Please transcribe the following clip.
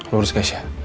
lu urus cashnya